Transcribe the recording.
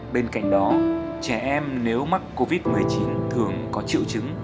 bên cạnh đó trẻ em nếu mắc covid một mươi chín thường có triệu chứng